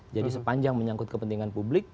jadi sepanjang menyangkut kepentingan publik